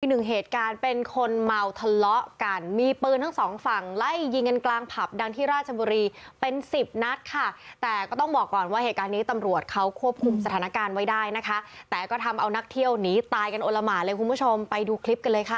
หนึ่งเหตุการณ์เป็นคนเมาทะเลาะกันมีปืนทั้งสองฝั่งไล่ยิงกันกลางผับดังที่ราชบุรีเป็นสิบนัดค่ะแต่ก็ต้องบอกก่อนว่าเหตุการณ์นี้ตำรวจเขาควบคุมสถานการณ์ไว้ได้นะคะแต่ก็ทำเอานักเที่ยวหนีตายกันโอละหมาเลยคุณผู้ชมไปดูคลิปกันเลยค่ะ